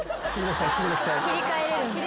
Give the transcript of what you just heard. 切り替えれるんだ。